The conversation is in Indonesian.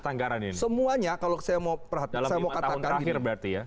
nah semuanya kalau saya mau katakan